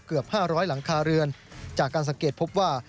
เกือบ๕๐๐หลังคาเรือนจากการสังเกตพบว่า